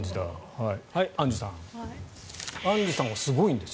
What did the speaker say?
アンジュさんアンジュさんもすごいんです。